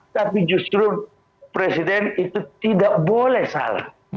tapi justru presiden itu tidak boleh salah